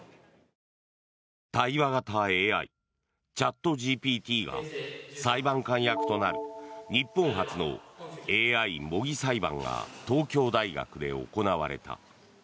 対話型ＡＩ、チャットＧＰＴが裁判官役となる日本初のＡＩ模擬裁判が東京大学で行われた。